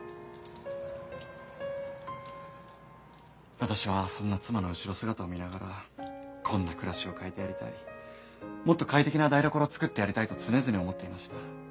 私はそんな妻の後ろ姿を見ながらこんな暮らしを変えてやりたいもっと快適な台所を作ってやりたいと常々思っていました。